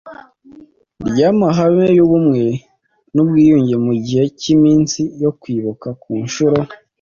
ry amahame y ubumwe n ubwiyunge mu gihe cy iminsi yo kwibuka ku nshuro